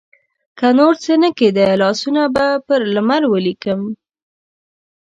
که نورڅه نه کیده، لاسونه به پر لمر ولیکم